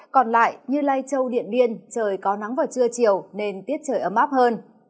còn lại như lai châu điện biên trời có nắng vào trưa chiều nên tiết trời ấm áp hơn